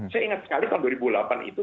saya ingat sekali tahun dua ribu delapan itu